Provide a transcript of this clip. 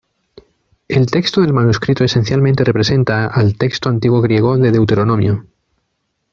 El texto del manuscrito esencialmente representa al texto antiguo griego de Deuteronomio.